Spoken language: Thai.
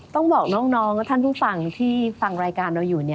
ต้องบอกน้องและท่านผู้ฟังที่ฟังรายการเราอยู่